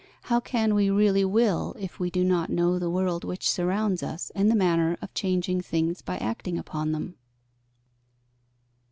How can we really will, if we do not know the world which surrounds us, and the manner of changing things by acting upon them?